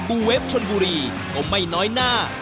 ูเวฟชนบุรีก็ไม่น้อยหน้า